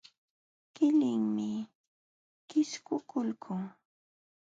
Qilinmi qisququlqun.